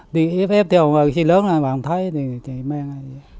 đi ép ép theo xì lớn bà không thấy thì chạy mang